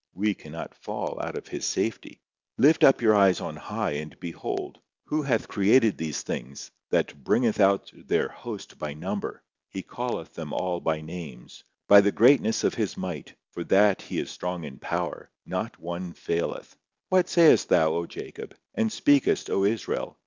We cannot fall out of His safety. Lift up your eyes on high, and behold! Who hath created these things—that bringeth out their host by number! He calleth them all by names. By the greatness of His might, for that He is strong in power, not one faileth. Why sayest thou, O Jacob! and speakest, O Israel!